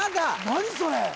何それ！？